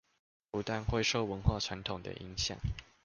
不但會受文化傳統的影響